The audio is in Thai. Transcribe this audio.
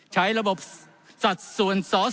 ใช้ระบบสัดส่วนสอสอ